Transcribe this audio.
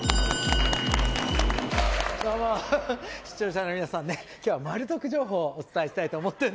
どうも、視聴者の皆さん今日はまる得情報をお伝えしたいと思って。